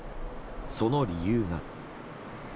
その理由が。